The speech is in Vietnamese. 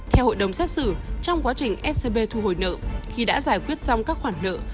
theo hội đồng xét xử trong quá trình scb thu hồi nợ khi đã giải quyết xong các khoản nợ